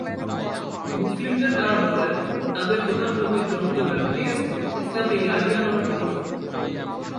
মুসলিমদের তারা বলেন, তাদের প্রধান নবী জন দ্যা ব্যাপ্টিস্ট, ইসলামে ইয়াহিয়া নামে পরিচিত।